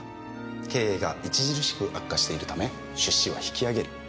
経営が著しく悪化しているため出資は引き揚げる。